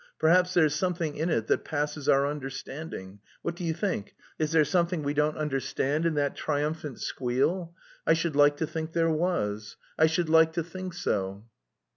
Perhaps there's something in it that passes our understanding. What do you think: is there something we don't understand in that triumphant squeal? I should like to think there was. I should like to think so."